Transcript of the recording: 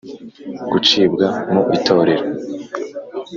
Gucibwa mu itorero